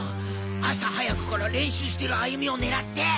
朝早くから練習してる歩美を狙って！